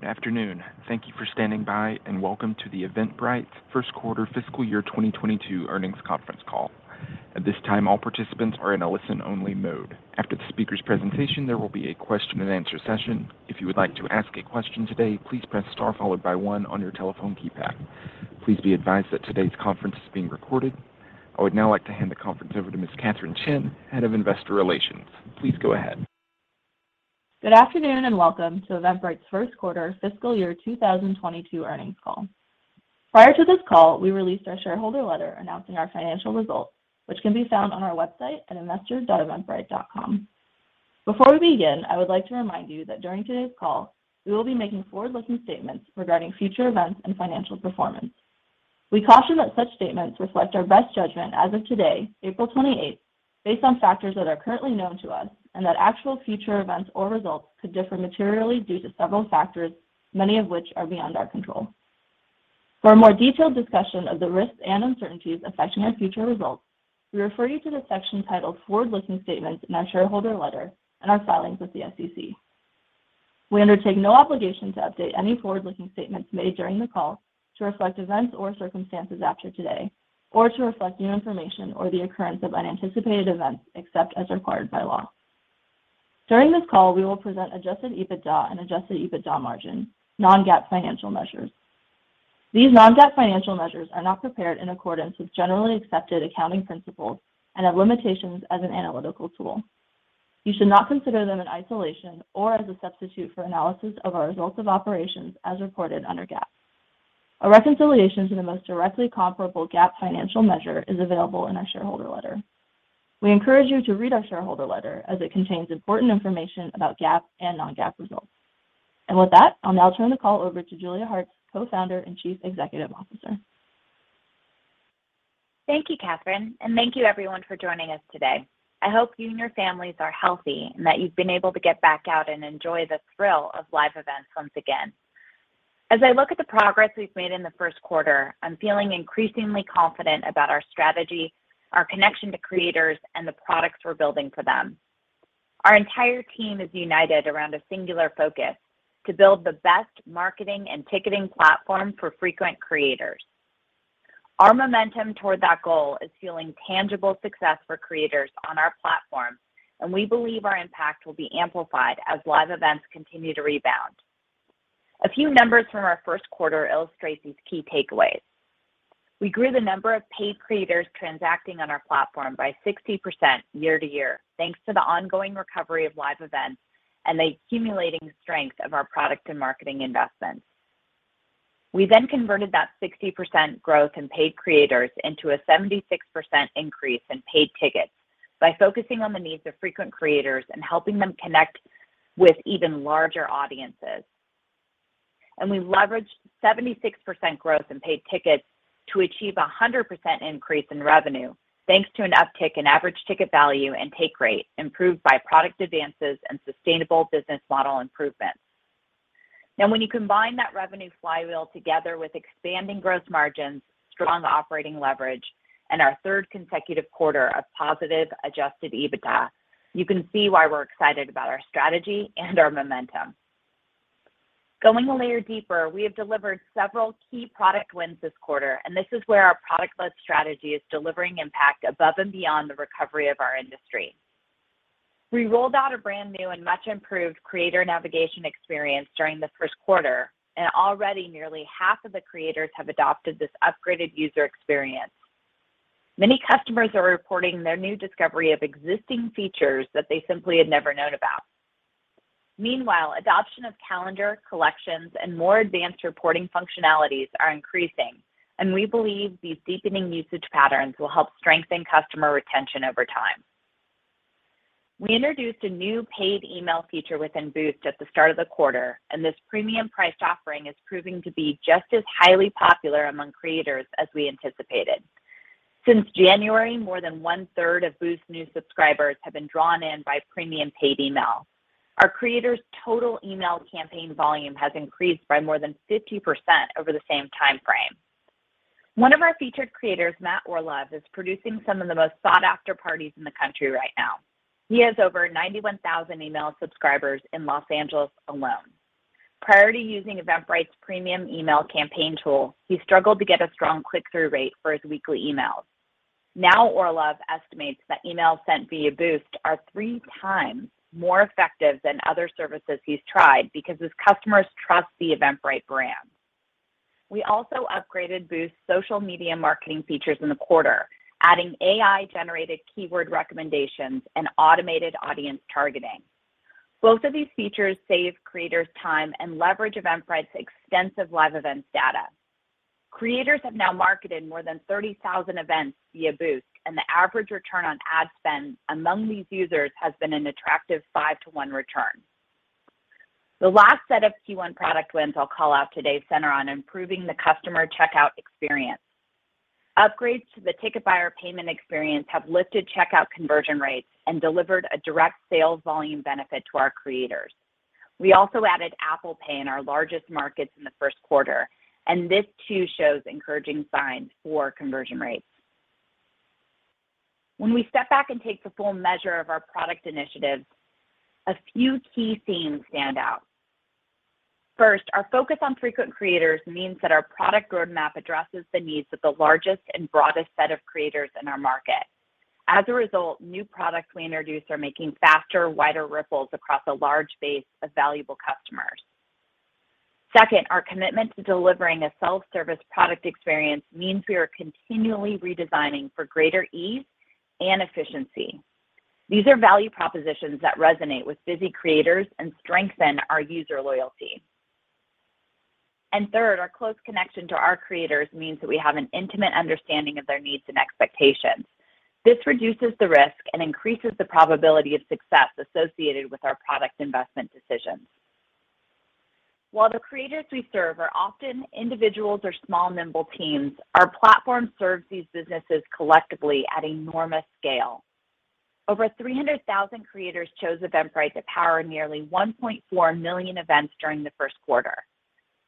Good afternoon. Thank you for standing by, and welcome to the Eventbrite first quarter fiscal year 2022 earnings conference call. At this time, all participants are in a listen only mode. After the speaker's presentation, there will be a question and answer session. If you would like to ask a question today, please press star followed by one on your telephone keypad. Please be advised that today's conference is being recorded. I would now like to hand the conference over to Ms. Katherine Chen, Head of Investor Relations. Please go ahead. Good afternoon, and welcome to Eventbrite's first quarter fiscal year 2022 earnings call. Prior to this call, we released our shareholder letter announcing our financial results, which can be found on our website at investor.eventbrite.com. Before we begin, I would like to remind you that during today's call, we will be making forward-looking statements regarding future events and financial performance. We caution that such statements reflect our best judgment as of today, April 28, based on factors that are currently known to us, and that actual future events or results could differ materially due to several factors, many of which are beyond our control. For a more detailed discussion of the risks and uncertainties affecting our future results, we refer you to the section titled Forward-Looking Statements in our shareholder letter and our filings with the SEC. We undertake no obligation to update any forward-looking statements made during the call to reflect events or circumstances after today or to reflect new information or the occurrence of unanticipated events, except as required by law. During this call, we will present Adjusted EBITDA and Adjusted EBITDA margin non-GAAP financial measures. These non-GAAP financial measures are not prepared in accordance with generally accepted accounting principles and have limitations as an analytical tool. You should not consider them in isolation or as a substitute for analysis of our results of operations as reported under GAAP. A reconciliation to the most directly comparable GAAP financial measure is available in our shareholder letter. We encourage you to read our shareholder letter as it contains important information about GAAP and non-GAAP results. With that, I'll now turn the call over to Julia Hartz, Co-Founder and Chief Executive Officer. Thank you, Katherine, and thank you everyone for joining us today. I hope you and your families are healthy and that you've been able to get back out and enjoy the thrill of live events once again. As I look at the progress we've made in the first quarter, I'm feeling increasingly confident about our strategy, our connection to creators, and the products we're building for them. Our entire team is united around a singular focus to build the best marketing and ticketing platform for frequent creators. Our momentum toward that goal is fueling tangible success for creators on our platform, and we believe our impact will be amplified as live events continue to rebound. A few numbers from our first quarter illustrate these key takeaways. We grew the number of paid creators transacting on our platform by 60% year-over-year, thanks to the ongoing recovery of live events and the accumulating strength of our product and marketing investments. We then converted that 60% growth in paid creators into a 76% increase in paid tickets by focusing on the needs of frequent creators and helping them connect with even larger audiences. We leveraged 76% growth in paid tickets to achieve a 100% increase in revenue, thanks to an uptick in average ticket value and take rate improved by product advances and sustainable business model improvements. Now, when you combine that revenue flywheel together with expanding gross margins, strong operating leverage, and our third consecutive quarter of positive Adjusted EBITDA, you can see why we're excited about our strategy and our momentum. Going a layer deeper, we have delivered several key product wins this quarter, and this is where our product-led strategy is delivering impact above and beyond the recovery of our industry. We rolled out a brand new and much improved creator navigation experience during the first quarter, and already nearly half of the creators have adopted this upgraded user experience. Many customers are reporting their new discovery of existing features that they simply had never known about. Meanwhile, adoption of calendar, collections, and more advanced reporting functionalities are increasing, and we believe these deepening usage patterns will help strengthen customer retention over time. We introduced a new paid email feature within Boost at the start of the quarter, and this premium priced offering is proving to be just as highly popular among creators as we anticipated. Since January, more than 1/3 of Boost new subscribers have been drawn in by premium paid email. Our creators' total email campaign volume has increased by more than 50% over the same time frame. One of our featured creators, Matt Orlove, is producing some of the most sought-after parties in the country right now. He has over 91,000 email subscribers in Los Angeles alone. Prior to using Eventbrite's premium email campaign tool, he struggled to get a strong click-through rate for his weekly emails. Now, Orlove estimates that emails sent via Boost are three times more effective than other services he's tried because his customers trust the Eventbrite brand. We also upgraded Boost social media marketing features in the quarter, adding AI-generated keyword recommendations and automated audience targeting. Both of these features save creators time and leverage Eventbrite's extensive live events data. Creators have now marketed more than 30,000 events via Boost, and the average return on ad spend among these users has been an attractive 5-to-1 return. The last set of Q1 product wins I'll call out today center on improving the customer checkout experience. Upgrades to the ticket buyer payment experience have lifted checkout conversion rates and delivered a direct sales volume benefit to our creators. We also added Apple Pay in our largest markets in the first quarter, and this too shows encouraging signs for conversion rates. When we step back and take the full measure of our product initiatives, a few key themes stand out. First, our focus on frequent creators means that our product roadmap addresses the needs of the largest and broadest set of creators in our market. As a result, new products we introduce are making faster, wider ripples across a large base of valuable customers. Second, our commitment to delivering a self-service product experience means we are continually redesigning for greater ease and efficiency. These are value propositions that resonate with busy creators and strengthen our user loyalty. Third, our close connection to our creators means that we have an intimate understanding of their needs and expectations. This reduces the risk and increases the probability of success associated with our product investment decisions. While the creators we serve are often individuals or small, nimble teams, our platform serves these businesses collectively at enormous scale. Over 300,000 creators chose Eventbrite to power nearly 1.4 million events during the first quarter.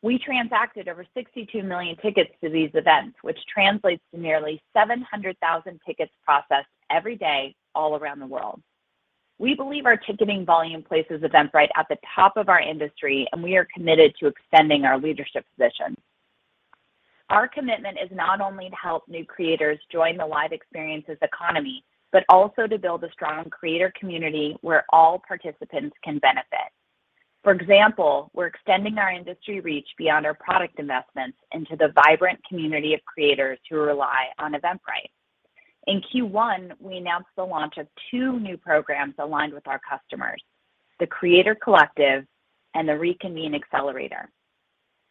We transacted over 62 million tickets to these events, which translates to nearly 700,000 tickets processed every day all around the world. We believe our ticketing volume places Eventbrite at the top of our industry, and we are committed to extending our leadership position. Our commitment is not only to help new creators join the live experiences economy, but also to build a strong creator community where all participants can benefit. For example, we're extending our industry reach beyond our product investments into the vibrant community of creators who rely on Eventbrite. In Q1, we announced the launch of two new programs aligned with our customers, the Creator Collective and the RECONVENE Accelerator.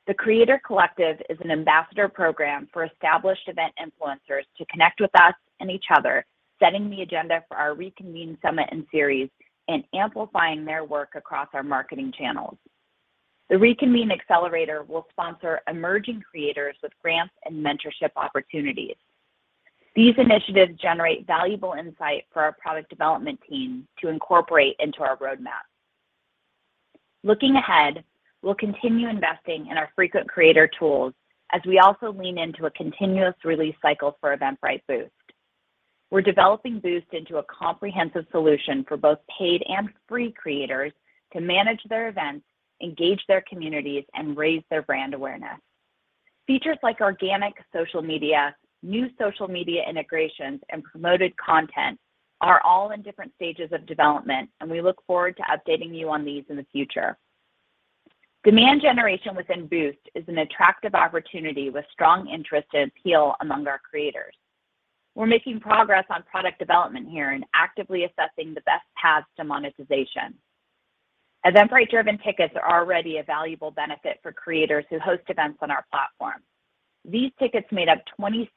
The Creator Collective is an ambassador program for established event influencers to connect with us and each other, setting the agenda for our RECONVENE Summit and series and amplifying their work across our marketing channels. The RECONVENE Accelerator will sponsor emerging creators with grants and mentorship opportunities. These initiatives generate valuable insight for our product development team to incorporate into our roadmap. Looking ahead, we'll continue investing in our frequent creator tools as we also lean into a continuous release cycle for Eventbrite Boost. We're developing Boost into a comprehensive solution for both paid and free creators to manage their events, engage their communities, and raise their brand awareness. Features like organic social media, new social media integrations, and promoted content are all in different stages of development, and we look forward to updating you on these in the future. Demand generation within Boost is an attractive opportunity with strong interest and appeal among our creators. We're making progress on product development here and actively assessing the best paths to monetization. Eventbrite-driven tickets are already a valuable benefit for creators who host events on our platform. These tickets made up 26%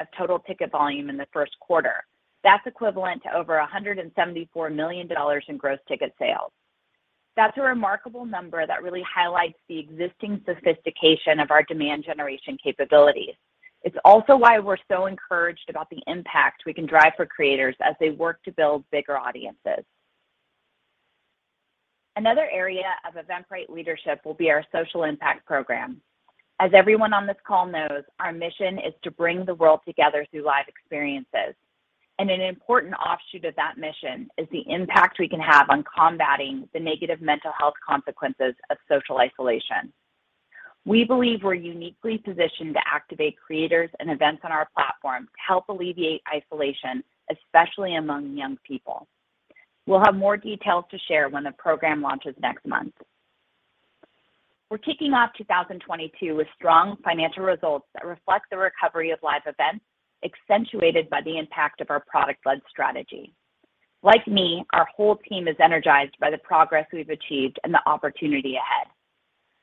of total ticket volume in the first quarter. That's equivalent to over $174 million in gross ticket sales. That's a remarkable number that really highlights the existing sophistication of our demand generation capabilities. It's also why we're so encouraged about the impact we can drive for creators as they work to build bigger audiences. Another area of Eventbrite leadership will be our social impact program. As everyone on this call knows, our mission is to bring the world together through live experiences. An important offshoot of that mission is the impact we can have on combating the negative mental health consequences of social isolation. We believe we're uniquely positioned to activate creators and events on our platform to help alleviate isolation, especially among young people. We'll have more details to share when the program launches next month. We're kicking off 2022 with strong financial results that reflect the recovery of live events, accentuated by the impact of our product-led strategy. Like me, our whole team is energized by the progress we've achieved and the opportunity ahead.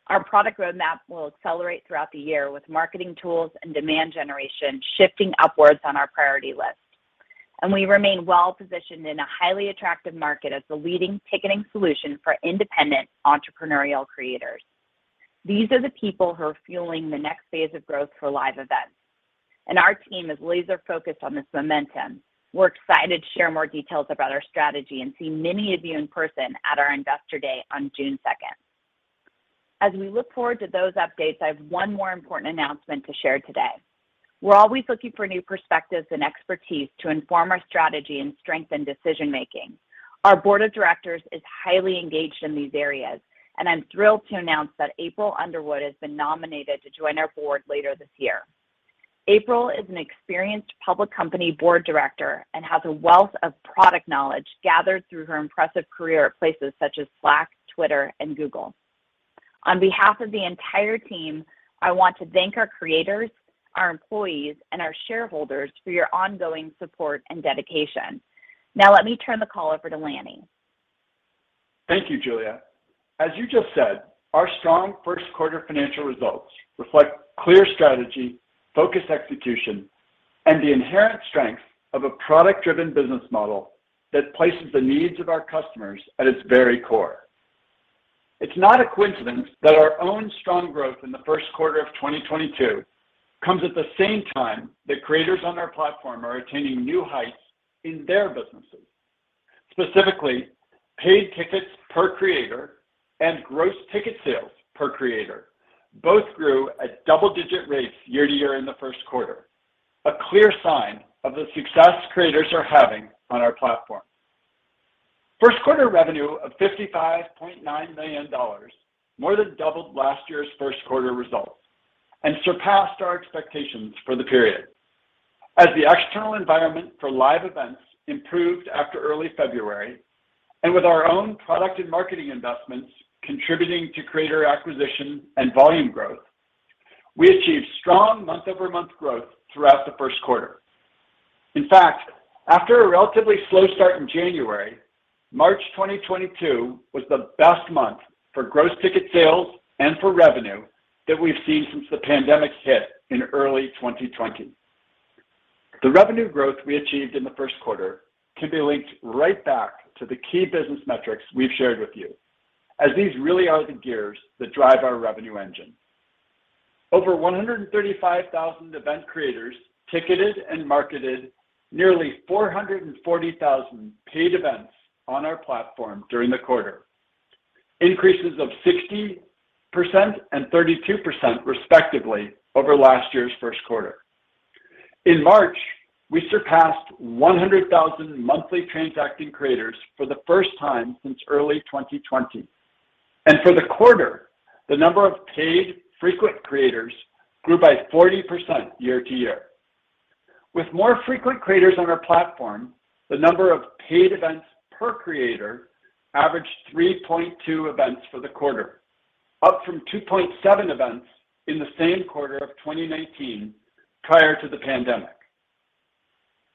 Our product roadmap will accelerate throughout the year with marketing tools and demand generation shifting upwards on our priority list. We remain well-positioned in a highly attractive market as the leading ticketing solution for independent entrepreneurial creators. These are the people who are fueling the next phase of growth for live events, and our team is laser-focused on this momentum. We're excited to share more details about our strategy and see many of you in person at our Investor Day on June 2. As we look forward to those updates, I have one more important announcement to share today. We're always looking for new perspectives and expertise to inform our strategy and strengthen decision-making. Our board of directors is highly engaged in these areas, and I'm thrilled to announce that April Underwood has been nominated to join our board later this year. April is an experienced public company board director and has a wealth of product knowledge gathered through her impressive career at places such as Slack, Twitter, and Google. On behalf of the entire team, I want to thank our creators, our employees, and our shareholders for your ongoing support and dedication. Now let me turn the call over to Lanny. Thank you, Julia. As you just said, our strong first quarter financial results reflect clear strategy, focused execution, and the inherent strength of a product-driven business model that places the needs of our customers at its very core. It's not a coincidence that our own strong growth in the first quarter of 2022 comes at the same time that creators on our platform are attaining new heights in their businesses. Specifically, paid tickets per creator and gross ticket sales per creator both grew at double-digit rates year-over-year in the first quarter, a clear sign of the success creators are having on our platform. First quarter revenue of $55.9 million more than doubled last year's first quarter results and surpassed our expectations for the period. As the external environment for live events improved after early February, and with our own product and marketing investments contributing to creator acquisition and volume growth, we achieved strong month-over-month growth throughout the first quarter. In fact, after a relatively slow start in January, March 2022 was the best month for gross ticket sales and for revenue that we've seen since the pandemic hit in early 2020. The revenue growth we achieved in the first quarter can be linked right back to the key business metrics we've shared with you, as these really are the gears that drive our revenue engine. Over 135,000 event creators ticketed and marketed nearly 440,000 paid events on our platform during the quarter, increases of 60% and 32% respectively over last year's first quarter. In March, we surpassed 100,000 monthly transacting creators for the first time since early 2020. For the quarter, the number of paid frequent creators grew by 40% year-over-year. With more frequent creators on our platform, the number of paid events per creator averaged 3.2 events for the quarter, up from 2.7 events in the same quarter of 2019 prior to the pandemic.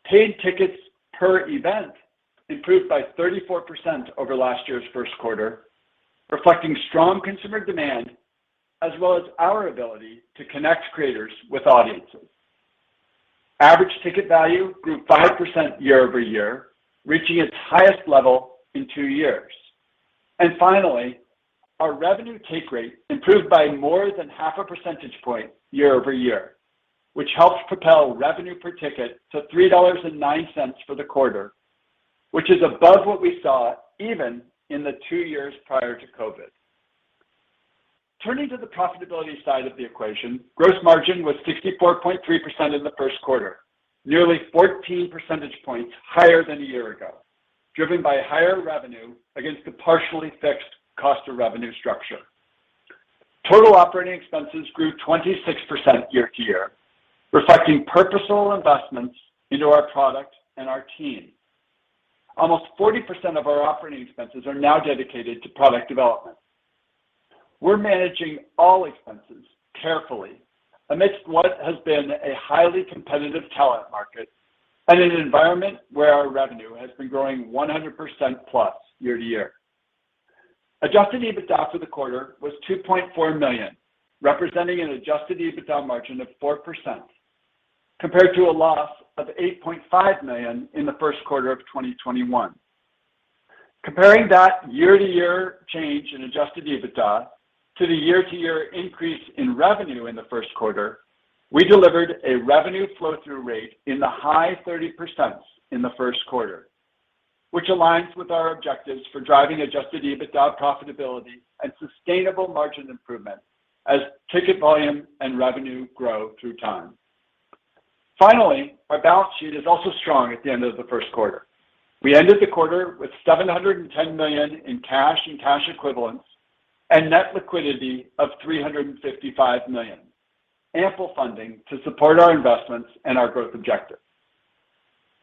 Paid tickets per event improved by 34% over last year's first quarter, reflecting strong consumer demand as well as our ability to connect creators with audiences. Average ticket value grew 5% year-over-year, reaching its highest level in two years. Finally, our revenue take rate improved by more than half a percentage point year-over-year, which helped propel revenue per ticket to $3.09 for the quarter, which is above what we saw even in the two years prior to COVID. Turning to the profitability side of the equation, gross margin was 64.3% in the first quarter, nearly 14 percentage points higher than a year ago, driven by higher revenue against a partially fixed cost of revenue structure. Total operating expenses grew 26% year-over-year, reflecting purposeful investments into our product and our team. Almost 40% of our operating expenses are now dedicated to product development. We're managing all expenses carefully amidst what has been a highly competitive talent market and in an environment where our revenue has been growing 100%+ year-over-year. Adjusted EBITDA for the quarter was $2.4 million, representing an Adjusted EBITDA margin of 4%, compared to a loss of $8.5 million in the first quarter of 2021. Comparing that year-to-year change in Adjusted EBITDA to the year-to-year increase in revenue in the first quarter, we delivered a revenue flow through rate in the high 30s% in the first quarter, which aligns with our objectives for driving Adjusted EBITDA profitability and sustainable margin improvement as ticket volume and revenue grow through time. Finally, our balance sheet is also strong at the end of the first quarter. We ended the quarter with $710 million in cash and cash equivalents and net liquidity of $355 million, ample funding to support our investments and our growth objectives.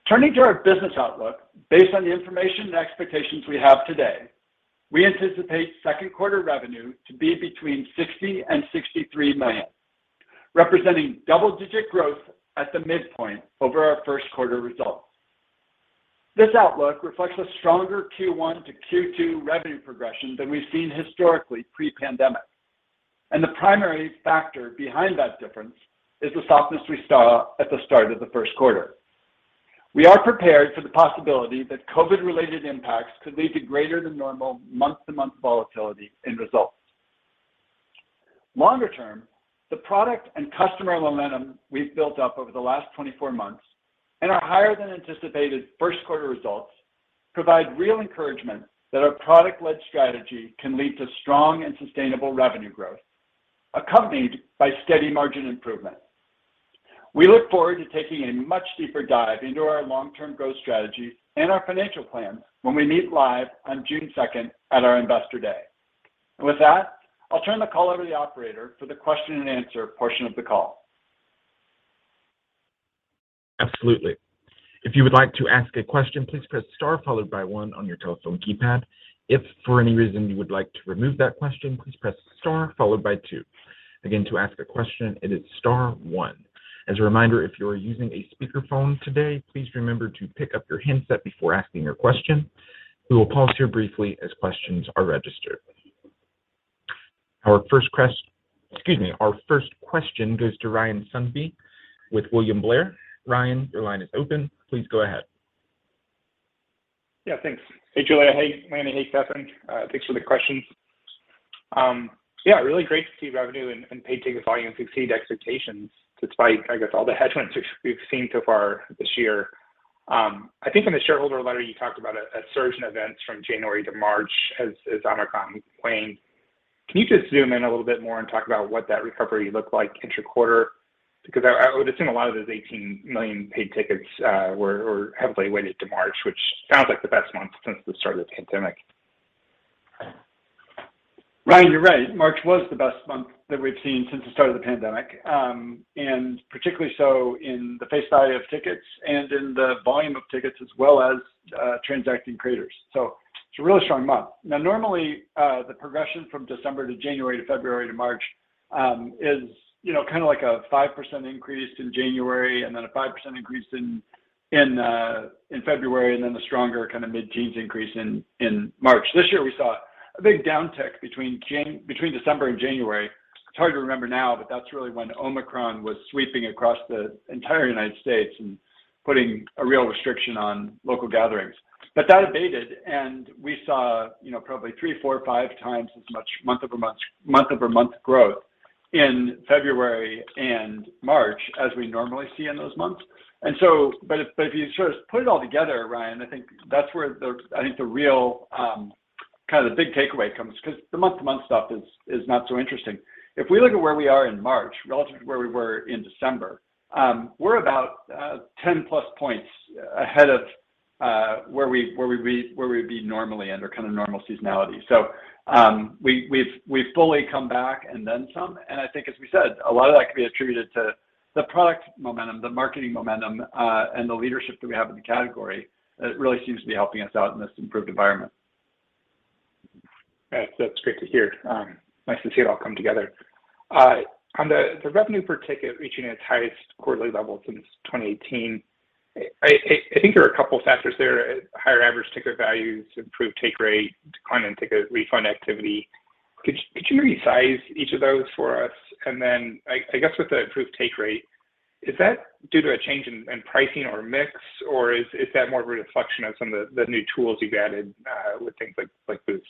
Turning to our business outlook, based on the information and expectations we have today, we anticipate second quarter revenue to be between $60 million and $63 million, representing double-digit growth at the midpoint over our first quarter results. This outlook reflects a stronger Q1 to Q2 revenue progression than we've seen historically pre-pandemic. The primary factor behind that difference is the softness we saw at the start of the first quarter. We are prepared for the possibility that COVID-related impacts could lead to greater than normal month-to-month volatility in results. Longer term, the product and customer momentum we've built up over the last 24 months and our higher than anticipated first quarter results provide real encouragement that our product-led strategy can lead to strong and sustainable revenue growth accompanied by steady margin improvement. We look forward to taking a much deeper dive into our long-term growth strategy and our financial plans when we meet live on June second at our Investor Day. With that, I'll turn the call over to the operator for the question and answer portion of the call. Absolutely. If you would like to ask a question, please press star followed by one on your telephone keypad. If for any reason you would like to remove that question, please press star followed by two. Again, to ask a question, it is star one. As a reminder, if you are using a speakerphone today, please remember to pick up your handset before asking your question. We will pause here briefly as questions are registered. Our first question goes to Ryan Sundby with William Blair. Ryan, your line is open. Please go ahead. Yeah, thanks. Hey, Julia. Hey, Lanny. Hey, Stefan. Thanks for the questions. Yeah, really great to see revenue and paid ticket volume succeed expectations despite, I guess, all the headwinds we've seen so far this year. I think in the shareholder letter you talked about a surge in events from January to March as Omicron waned. Can you just zoom in a little bit more and talk about what that recovery looked like inter-quarter? Because I would assume a lot of those 18 million paid tickets were heavily weighted to March, which sounds like the best month since the start of the pandemic. Ryan, you're right. March was the best month that we've seen since the start of the pandemic. Particularly so in the face value of tickets and in the volume of tickets as well as transacting creators. It's a really strong month. Normally, the progression from December to January to February to March is, you know, kind of like a 5% increase in January and then a 5% increase in February, and then the stronger kind of mid-teens increase in March. This year we saw a big downtick between December and January. It's hard to remember now, but that's really when Omicron was sweeping across the entire United States and putting a real restriction on local gatherings. That abated and we saw, you know, probably three, four, five times as much month-over-month growth in February and March as we normally see in those months. But if you sort of put it all together, Ryan, I think that's where I think the real kind of the big takeaway comes 'cause the month-to-month stuff is not so interesting. If we look at where we are in March relative to where we were in December, we're about 10+ points ahead of where we'd be normally under kind of normal seasonality. We've fully come back and then some. I think as we said, a lot of that can be attributed to the product momentum, the marketing momentum, and the leadership that we have in the category that really seems to be helping us out in this improved environment. That's great to hear. Nice to see it all come together. On the revenue per ticket reaching its highest quarterly level since 2018, I think there are a couple factors there, higher average ticket values, improved take rate, decline in ticket refund activity. Could you size each of those for us? I guess with the improved take rate, is that due to a change in pricing or mix or is that more a reflection of some of the new tools you've added with things like Boost?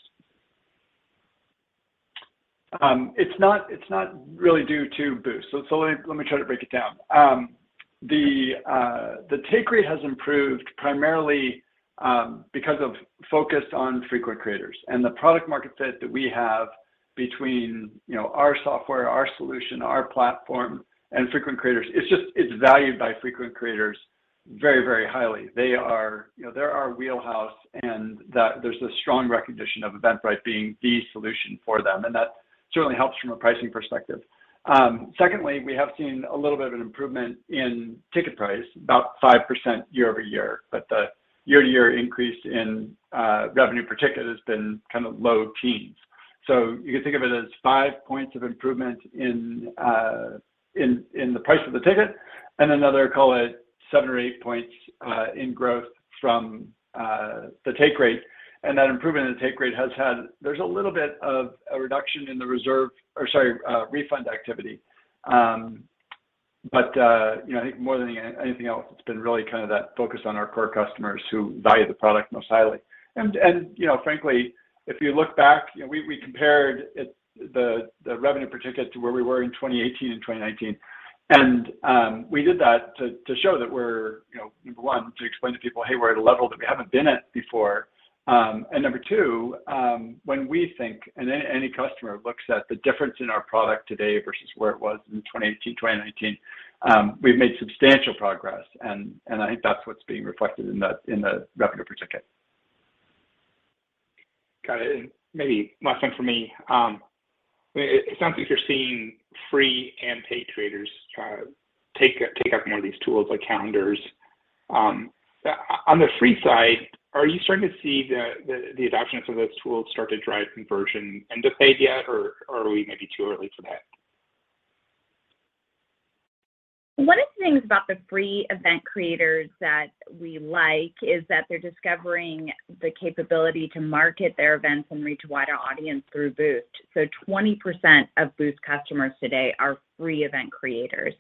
It's not really due to Boost. Let me try to break it down. The take rate has improved primarily because of focus on frequent creators and the product market fit that we have between, you know, our software, our solution, our platform and frequent creators. It's just valued by frequent creators very, very highly. They are our wheelhouse and there's a strong recognition of Eventbrite being the solution for them, and that certainly helps from a pricing perspective. Secondly, we have seen a little bit of an improvement in ticket price, about 5% year-over-year, but the year-to-year increase in revenue per ticket has been kind of low teens. You can think of it as five points of improvement in the price of the ticket and another, call it seven or eight points, in growth from the take rate. There's a little bit of a reduction in refund activity. You know, I think more than anything else, it's been really kind of that focus on our core customers who value the product most highly. You know, frankly, if you look back, you know, we compared it, the revenue per ticket to where we were in 2018 and 2019. We did that to show that we're, you know, number one, to explain to people, hey, we're at a level that we haven't been at before. Number two, when we think, and any customer looks at the difference in our product today versus where it was in 2018, 2019, we've made substantial progress and I think that's what's being reflected in the revenue per ticket. Got it. Maybe last one from me. It sounds like you're seeing free and paid creators take up more of these tools like calendars. On the free side, are you starting to see the adoption of some of those tools start to drive conversion into paid yet or are we maybe too early for that? One of the things about the free event creators that we like is that they're discovering the capability to market their events and reach a wider audience through Boost. 20% of Boost customers today are free event creators,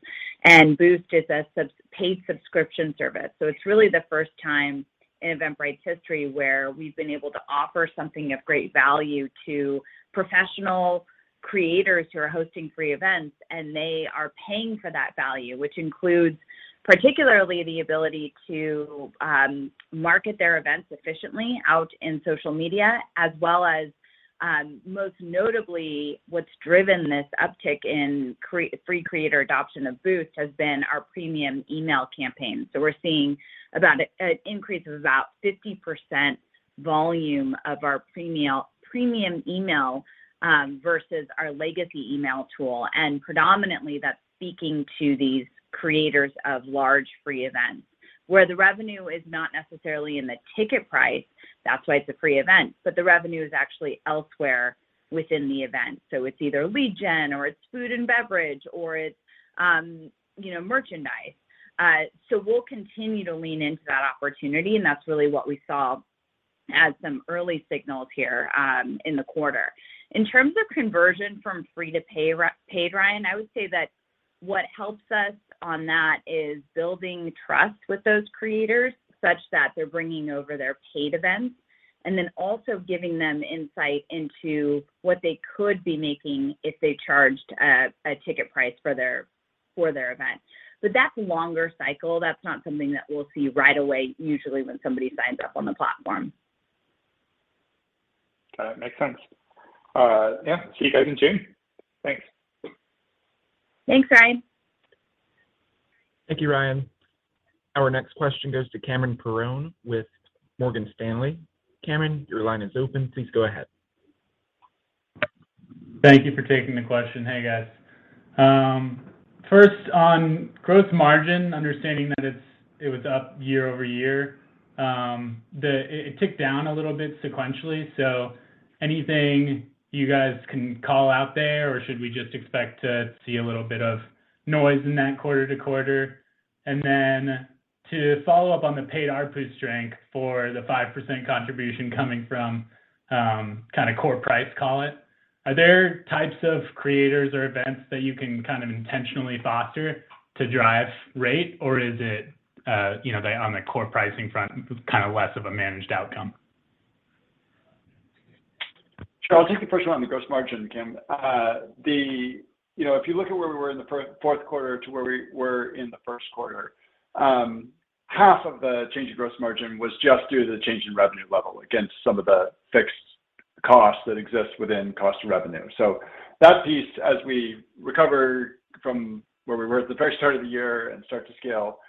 and Boost is a paid subscription service. It's really the first time in Eventbrite's history where we've been able to offer something of great value to professional creators who are hosting free events, and they are paying for that value, which includes particularly the ability to market their events efficiently out in social media, as well as most notably what's driven this uptick in free creator adoption of Boost has been our premium email campaign. We're seeing about an increase of about 50% volume of our premium email versus our legacy email tool. Predominantly that's speaking to these creators of large free events where the revenue is not necessarily in the ticket price, that's why it's a free event, but the revenue is actually elsewhere within the event. It's either lead gen or it's food and beverage or it's you know, merchandise. We'll continue to lean into that opportunity, and that's really what we saw as some early signals here, in the quarter. In terms of conversion from free to paid, Ryan, I would say that what helps us on that is building trust with those creators such that they're bringing over their paid events, and then also giving them insight into what they could be making if they charged a ticket price for their event. That's longer cycle. That's not something that we'll see right away usually when somebody signs up on the platform. That makes sense. Yeah. See you guys in June. Thanks. Thanks, Ryan. Thank you, Ryan. Our next question goes to Cameron Mansson-Perrone with Morgan Stanley. Cameron, your line is open. Please go ahead. Thank you for taking the question. Hey, guys. First on gross margin, understanding that it was up year-over-year, it ticked down a little bit sequentially. So anything you guys can call out there, or should we just expect to see a little bit of noise in that quarter-to-quarter? Then to follow up on the paid ARPU strength for the 5% contribution coming from kinda core price call it, are there types of creators or events that you can kind of intentionally foster to drive rate, or is it, you know, on the core pricing front, kind of less of a managed outcome? Sure. I'll take the first one on the gross margin, Cam. You know, if you look at where we were in the fourth quarter to where we were in the first quarter, half of the change in gross margin was just due to the change in revenue level against some of the fixed costs that exist within cost of revenue. So that piece, as we recover from where we were at the very start of the year and start to scale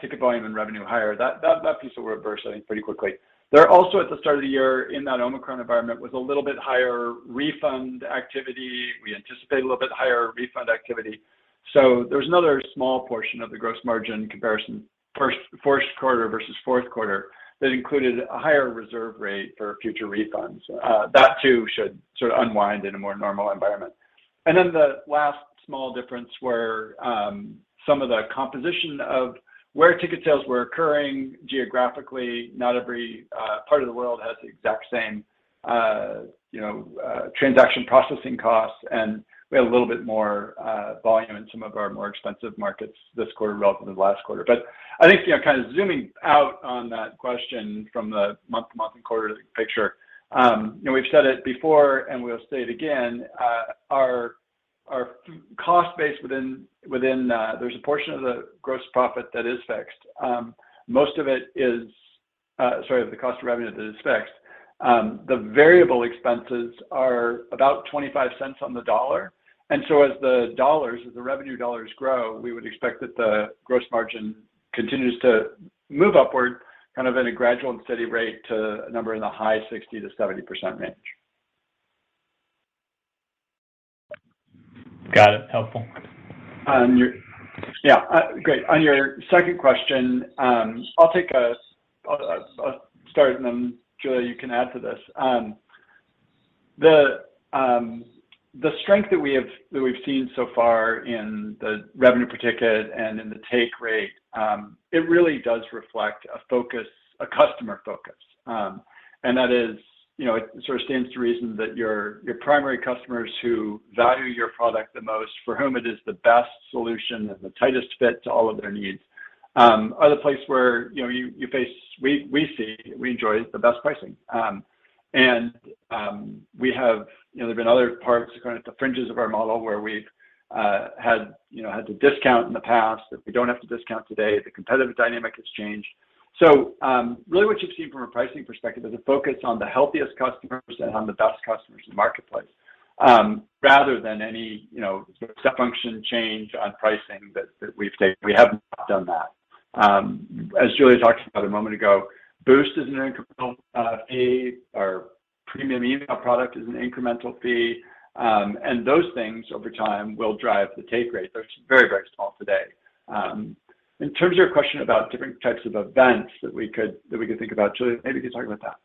ticket volume and revenue higher, that piece will reverse, I think, pretty quickly. There are also at the start of the year in that Omicron environment was a little bit higher refund activity. We anticipate a little bit higher refund activity. There's another small portion of the gross margin comparison first quarter versus fourth quarter that included a higher reserve rate for future refunds. That too should sort of unwind in a more normal environment. Then the last small difference were some of the composition of where ticket sales were occurring geographically. Not every part of the world has the exact same, you know, transaction processing costs. We had a little bit more volume in some of our more expensive markets this quarter relative to last quarter. I think, you know, kind of zooming out on that question from the month-to-month and quarter-to-quarter picture, you know, we've said it before, and we'll say it again, there's a portion of the gross profit that is fixed. Most of it is the cost of revenue that is fixed. The variable expenses are about 25 cents on the dollar. As the revenue dollars grow, we would expect that the gross margin continues to move upward kind of at a gradual and steady rate to a number in the high 60%-70% range. Got it. Helpful. Yeah, great. On your second question, I'll start, and then, Julia, you can add to this. The strength that we've seen so far in the revenue per ticket and in the take rate, it really does reflect a focus, a customer focus. That is, you know, it sort of stands to reason that your primary customers who value your product the most, for whom it is the best solution and the tightest fit to all of their needs, are the place where, you know, we see, we enjoy the best pricing. We have... You know, there have been other parts kind of at the fringes of our model where we've had to discount in the past that we don't have to discount today. The competitive dynamic has changed. Really what you've seen from a pricing perspective is a focus on the healthiest customers and on the best customers in the marketplace, rather than any, you know, sort of step function change on pricing that we've taken. We have not done that. As Julia talked about a moment ago, Boost is an incremental fee. Our premium email product is an incremental fee. Those things over time will drive the take rate. They're very, very small today. In terms of your question about different types of events that we could think about, Julia, maybe you could talk about that.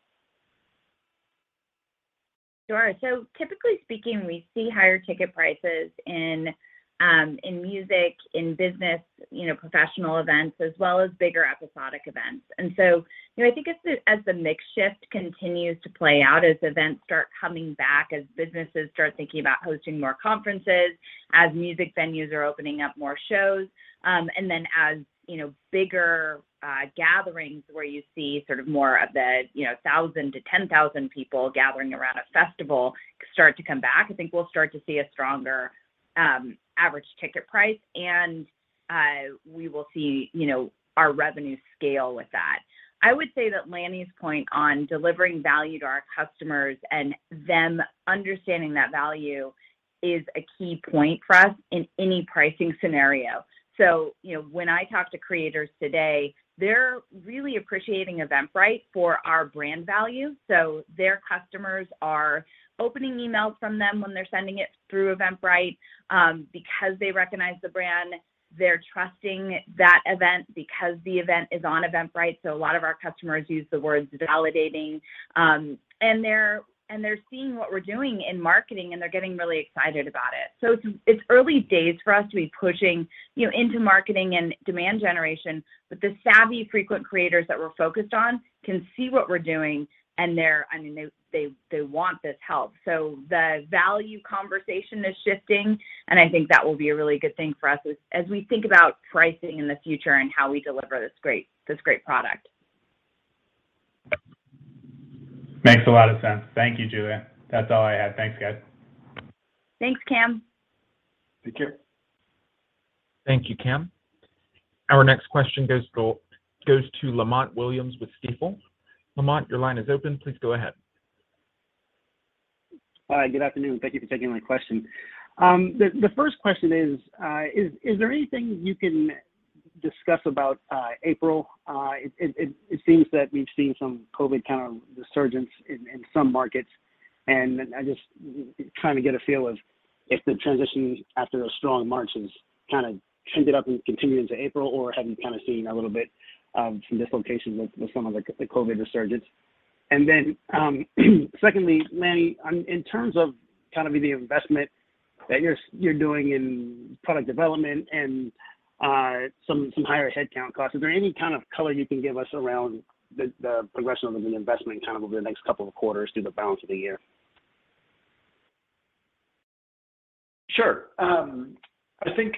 Sure. Typically speaking, we see higher ticket prices in music, in business, you know, professional events, as well as bigger episodic events. I think as the mix shift continues to play out, as events start coming back, as businesses start thinking about hosting more conferences, as music venues are opening up more shows, and then as, you know, bigger gatherings where you see sort of more of the, you know, 1,000 to 10,000 people gathering around a festival start to come back, I think we'll start to see a stronger average ticket price, and we will see, you know, our revenue scale with that. I would say that Lanny's point on delivering value to our customers and them understanding that value is a key point for us in any pricing scenario. You know, when I talk to creators today, they're really appreciating Eventbrite for our brand value. Their customers are opening emails from them when they're sending it through Eventbrite, because they recognize the brand. They're trusting that event because the event is on Eventbrite, so a lot of our customers use the words validating. And they're seeing what we're doing in marketing, and they're getting really excited about it. It's early days for us to be pushing, you know, into marketing and demand generation, but the savvy frequent creators that we're focused on can see what we're doing, and I mean, they want this help. The value conversation is shifting, and I think that will be a really good thing for us as we think about pricing in the future and how we deliver this great product. Makes a lot of sense. Thank you, Julia. That's all I had. Thanks, guys. Thanks, Cam. Take care. Thank you, Cam. Our next question goes to Lamont Williams with Stifel. Lamont, your line is open. Please go ahead. Hi, good afternoon. Thank you for taking my question. The first question is there anything you can discuss about April? It seems that we've seen some COVID kind of resurgence in some markets, and I just trying to get a feel of if the transition after a strong March has kinda trended up and continued into April, or have you kinda seen a little bit some dislocations with some of the COVID resurgence. Then, secondly, Lanny, in terms of kinda the investment that you're doing in product development and some higher headcount costs, is there any kind of color you can give us around the progression of an investment kind of over the next couple of quarters through the balance of the year? Sure. I think,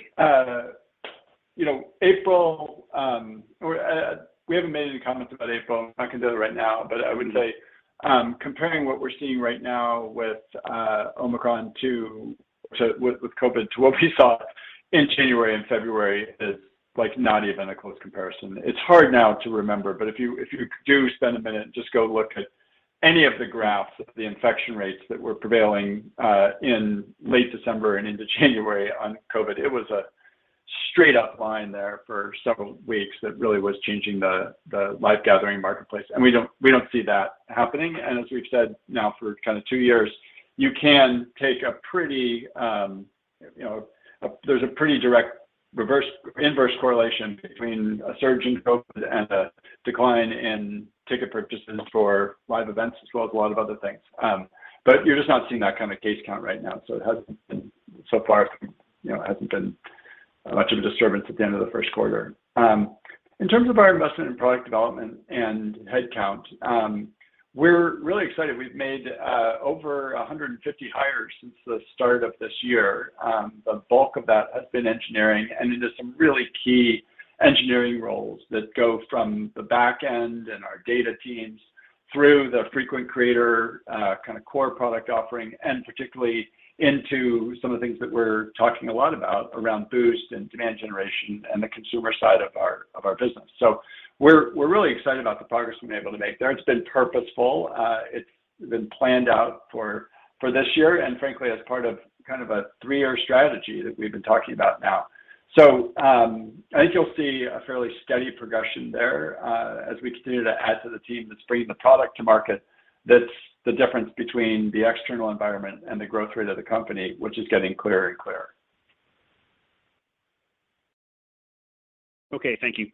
you know, April, we haven't made any comments about April. I'm not gonna do that right now. I would say comparing what we're seeing right now with Omicron to what we saw with COVID in January and February is like not even a close comparison. It's hard now to remember, but if you do spend a minute and just go look at any of the graphs of the infection rates that were prevailing in late December and into January on COVID, it was a straight up line there for several weeks that really was changing the live gathering marketplace. We don't see that happening. As we've said now for kind of two years, there's a pretty direct inverse correlation between a surge in COVID and a decline in ticket purchases for live events, as well as a lot of other things. You're just not seeing that kind of case count right now. It hasn't been, so far, hasn't been much of a disturbance at the end of the first quarter. In terms of our investment in product development and head count, we're really excited. We've made over 150 hires since the start of this year. The bulk of that has been engineering and into some really key engineering roles that go from the back end and our data teams through the frequent creator, kind of core product offering, and particularly into some of the things that we're talking a lot about around Boost and demand generation and the consumer side of our business. We're really excited about the progress we've been able to make there. It's been purposeful. It's been planned out for this year and frankly, as part of kind of a three-year strategy that we've been talking about now. I think you'll see a fairly steady progression there, as we continue to add to the team that's bringing the product to market. That's the difference between the external environment and the growth rate of the company, which is getting clearer and clearer. Okay. Thank you.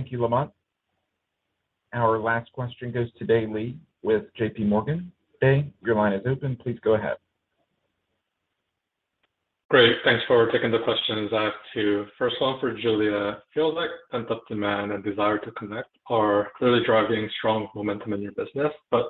Thank you, Lamont. Our last question goes to Dae Lee with JPMorgan. Dae, your line is open. Please go ahead. Great. Thanks for taking the questions. I have two. First one for Julia. Feels like pent-up demand and desire to connect are clearly driving strong momentum in your business. I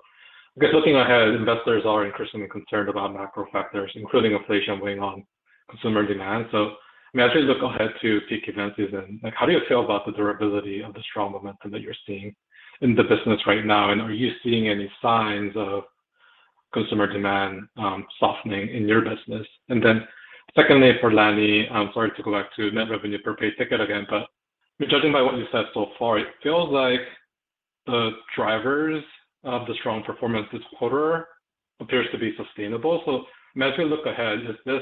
guess looking ahead, investors are increasingly concerned about macro factors, including inflation weighing on consumer demand. I mean, as we look ahead to peak event season, like how do you feel about the durability of the strong momentum that you're seeing in the business right now? Are you seeing any signs of customer demand softening in your business? Secondly, for Lanny, I'm sorry to go back to net revenue per paid ticket again, but judging by what you said so far, it feels like the drivers of the strong performance this quarter appears to be sustainable. As we look ahead, is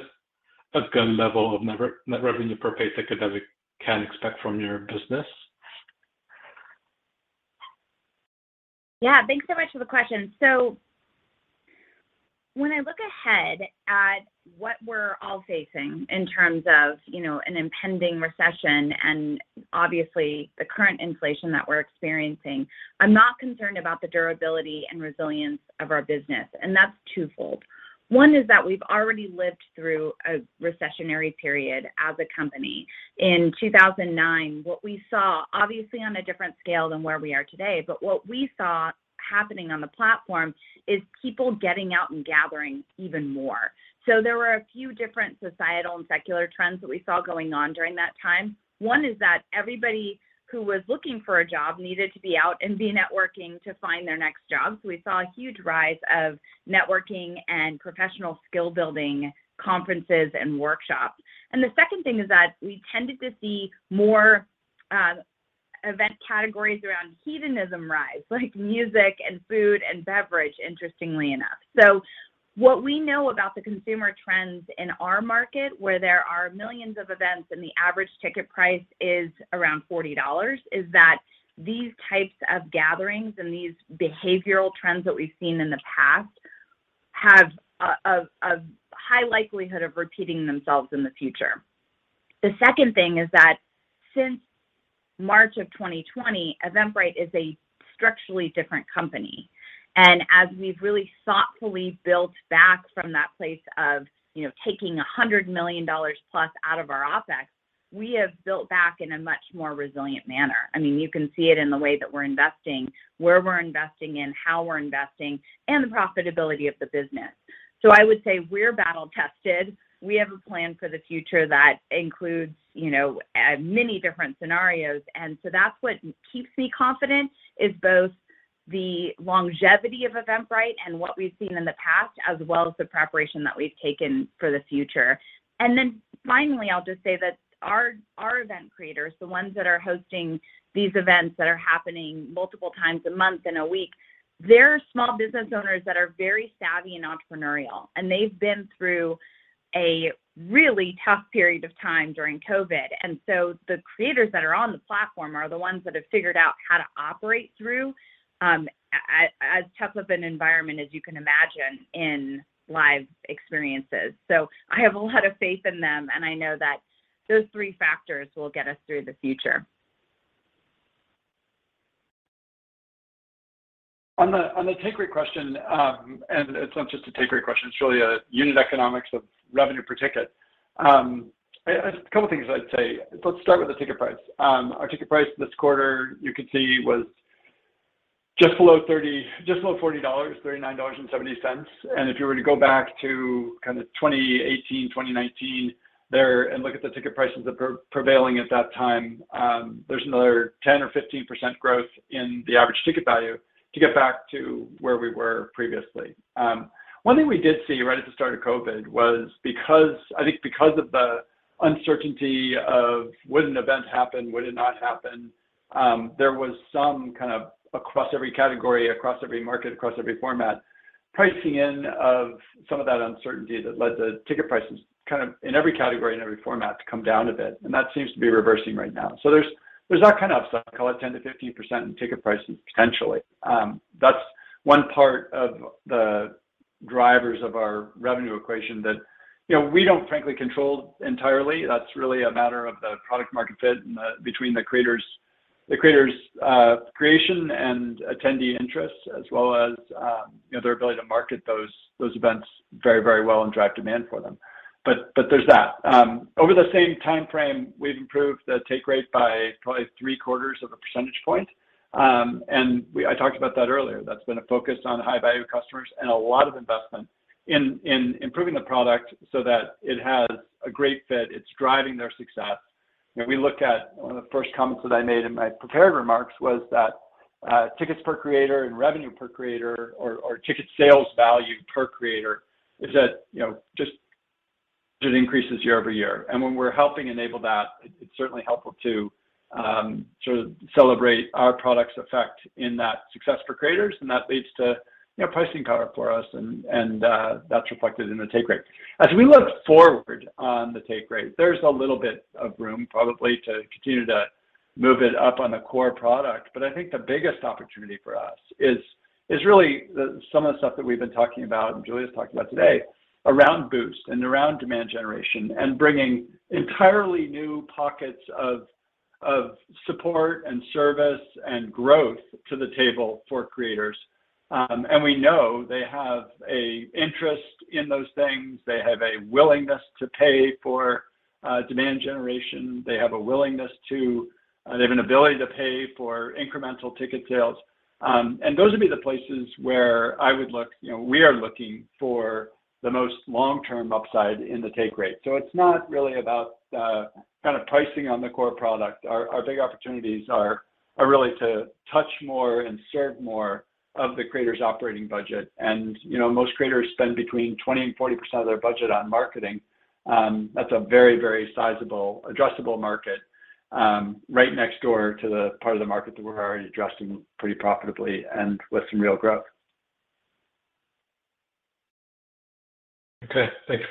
this a good level of net revenue per paid ticket that we can expect from your business? Yeah, thanks so much for the question. When I look ahead at what we're all facing in terms of, you know, an impending recession and obviously the current inflation that we're experiencing, I'm not concerned about the durability and resilience of our business, and that's twofold. One is that we've already lived through a recessionary period as a company. In 2009, what we saw, obviously on a different scale than where we are today, but what we saw happening on the platform is people getting out and gathering even more. There were a few different societal and secular trends that we saw going on during that time. One is that everybody who was looking for a job needed to be out and be networking to find their next job. We saw a huge rise of networking and professional skill-building conferences and workshops. The second thing is that we tended to see more event categories around hedonism rise, like music and food and beverage, interestingly enough. What we know about the consumer trends in our market, where there are millions of events and the average ticket price is around $40, is that these types of gatherings and these behavioral trends that we've seen in the past have a high likelihood of repeating themselves in the future. The second thing is that since March of 2020, Eventbrite is a structurally different company. As we've really thoughtfully built back from that place of, you know, taking $100 million plus out of our OpEx, we have built back in a much more resilient manner. I mean, you can see it in the way that we're investing, where we're investing in, how we're investing, and the profitability of the business. So I would say we're battle tested. We have a plan for the future that includes, you know, many different scenarios. That's what keeps me confident, is both the longevity of Eventbrite and what we've seen in the past, as well as the preparation that we've taken for the future. Finally, I'll just say that our event creators, the ones that are hosting these events that are happening multiple times a month, in a week, they're small business owners that are very savvy and entrepreneurial. They've been through a really tough period of time during COVID. The creators that are on the platform are the ones that have figured out how to operate through as tough of an environment as you can imagine in live experiences. I have a lot of faith in them, and I know that those three factors will get us through the future. On the take rate question, it's not just a take rate question. It's really a unit economics of revenue per ticket. A couple things I'd say. Let's start with the ticket price. Our ticket price this quarter, you could see, was just below 30, just below 40 dollars, $39.70. If you were to go back to kind of 2018, 2019 there and look at the ticket prices that were prevailing at that time, there's another 10 or 15% growth in the average ticket value to get back to where we were previously. One thing we did see right at the start of COVID was because. I think because of the uncertainty of would an event happen, would it not happen, there was some kind of across every category, across every market, across every format, pricing in of some of that uncertainty that led to ticket prices kind of in every category and every format to come down a bit. That seems to be reversing right now. There's that kind of so-called 10%-15% in ticket pricing potentially. That's one part of the drivers of our revenue equation that, you know, we don't frankly control entirely. That's really a matter of the product market fit and the between the creators' creation and attendee interest, as well as, you know, their ability to market those events very, very well and drive demand for them. There's that. Over the same timeframe, we've improved the take rate by probably three-quarters of a percentage point. I talked about that earlier. That's been a focus on high value customers and a lot of investment in improving the product so that it has a great fit. It's driving their success. You know, we look at one of the first comments that I made in my prepared remarks was that tickets per creator and revenue per creator or ticket sales value per creator is that you know, just it increases year-over-year. When we're helping enable that, it's certainly helpful to sort of celebrate our product's effect in that success for creators, and that leads to you know, pricing power for us and that's reflected in the take rate. As we look forward on the take rate, there's a little bit of room probably to continue to move it up on the core product. I think the biggest opportunity for us is really some of the stuff that we've been talking about and Julia's talked about today around Boost and around demand generation and bringing entirely new pockets of support and service and growth to the table for creators. We know they have an interest in those things. They have a willingness to pay for demand generation. They have an ability to pay for incremental ticket sales. Those would be the places where I would look, you know, we are looking for the most long-term upside in the take rate. It's not really about the kind of pricing on the core product. Our big opportunities are really to touch more and serve more of the creator's operating budget. You know, most creators spend between 20%-40% of their budget on marketing. That's a very, very sizable addressable market, right next door to the part of the market that we're already addressing pretty profitably and with some real growth. Okay. Thank you.